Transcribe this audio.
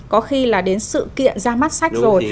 có khi là đến sự kiện ra mắt sách rồi